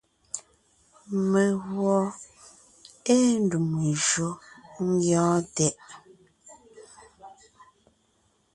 Meguɔ ée ndùm njÿó ńgyɔ́ɔn tɛʼ.